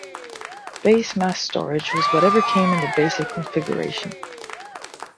Base mass storage was whatever came in the basic configuration.